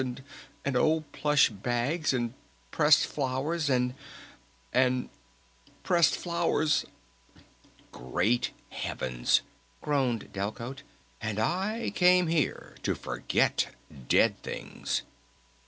And old plush bags! And pressed flowers! And and pressed flowers!" "Great Heavens!" groaned Delcote. "And I came here to forget 'dead things'!"